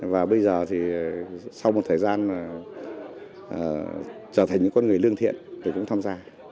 và bây giờ thì sau một thời gian trở thành những con người lương thiện thì cũng tham gia